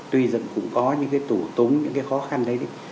tuy rằng cũng có những cái tủ tốn những cái khó khăn đấy